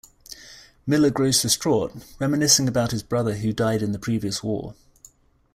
Miller grows distraught, reminiscing about his brother who died in the previous war.